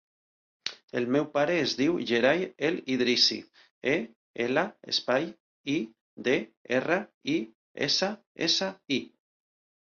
El meu pare es diu Yeray El Idrissi: e, ela, espai, i, de, erra, i, essa, essa, i.